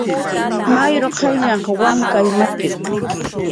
Mayur qayllanh Wankay markanw jakki